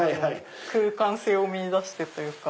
空間性を見いだしてというか。